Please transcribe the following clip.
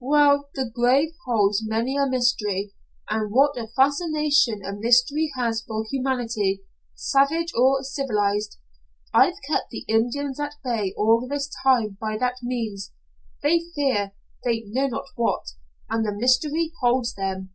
"Well, the grave holds many a mystery, and what a fascination a mystery has for humanity, savage or civilized! I've kept the Indians at bay all this time by that means. They fear they know not what, and the mystery holds them.